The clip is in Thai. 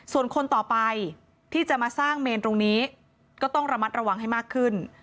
ส่วนคนต่อไปที่จะมาสร้างเมนตรงนี้ก็ต้องระมัดระวังให้มากขึ้น